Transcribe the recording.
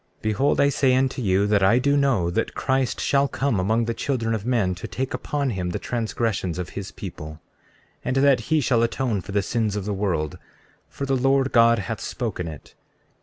Behold, I say unto you, that I do know that Christ shall come among the children of men, to take upon him the transgressions of his people, and that he shall atone for the sins of the world; for the Lord God hath spoken it.